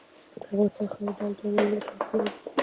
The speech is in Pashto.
د افغانستان خاوره د هر ډول میوې لپاره جوړه ده.